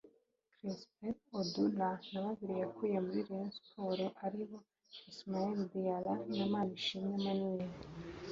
Crispin Odula na babiri yakuye muri Rayon Sports aribo Ismaila Diarra na Imanishimwe Emmanuel